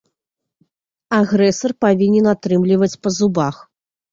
Агрэсар павінен атрымліваць па зубах.